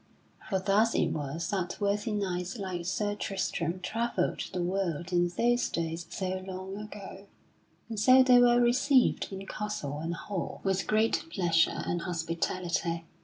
For thus it was that worthy knights like Sir Tristram travelled the world in those days so long ago; and so they were received in castle and hall with great pleasure and hospitality.